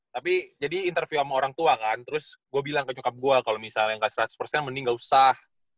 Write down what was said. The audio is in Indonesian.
tapi jadi interview sama orang tua kan terus gue bilang ke nyokap gue kalo misalnya yang kasih seratus mending gak usah